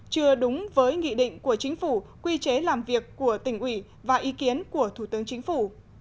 chưa đúng với nghị định của chính phủ quy chế làm việc của tỉnh ủy và ý kiến của thủ tướng chính phủ